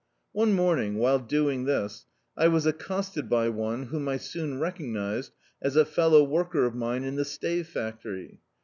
One morning, while doing this, I was accosted by one whom I so<ni recognised as a fellow worker of mine in the stave factory.